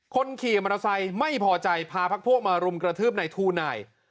คนขี่มอเตอร์ไซค์ไม่พอใจพาพักพวกมารุมกระทืบในทูนาย